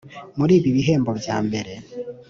Muri ibi bihembo byambere